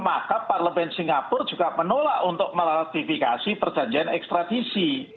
maka parlemen singapura juga menolak untuk meratifikasi perjanjian ekstradisi